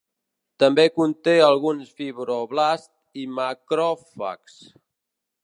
També conté alguns fibroblasts i macròfags.